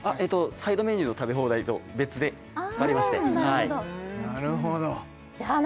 サイドメニューの食べ放題と別でありましてああ